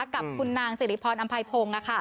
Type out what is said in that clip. กับคุณนางศิริพรอัมภัยโพงค่ะ